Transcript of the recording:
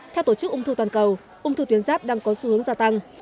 theo tổ chức ung thư toàn cầu ung thư tuyến giáp đang có xu hướng gia tăng